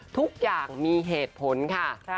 ทุกอย่างมีเหตุผลค่ะ